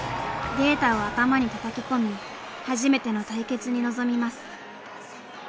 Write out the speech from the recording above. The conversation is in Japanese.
データを頭にたたき込み初めての対決に臨みます。